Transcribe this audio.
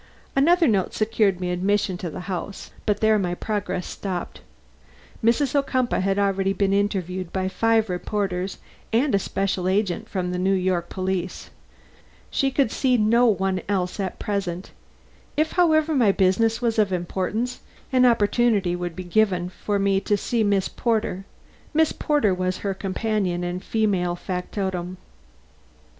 Another note secured me admission to the house, but there my progress stopped. Mrs. Ocumpaugh had already been interviewed by five reporters and a special agent from the New York police. She could see no one else at present. If, however, my business was of importance, an opportunity would be given me to see Miss Porter. Miss Porter was her companion and female factotum.